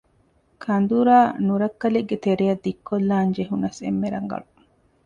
ކަނދުރާ ނުރައްކަލެއްގެ ތެރެއަށް ދިއްކޮށްލާން ޖެހުނަސް އެންމެ ރަނގަޅު